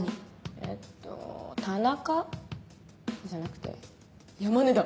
えっと田中じゃなくて山根だ！